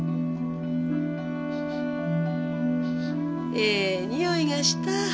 ええにおいがした。